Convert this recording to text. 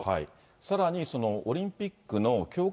さらにオリンピックの強化